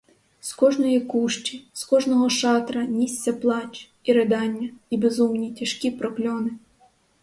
З кожної кущі, з кожного шатра нісся плач, і ридання, і безумні, тяжкі прокльони.